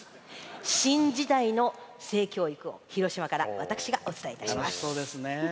新時代の性教育を広島から私がお伝えします。